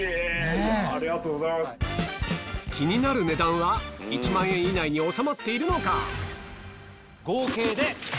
気になる値段は１万円以内に収まっているのか？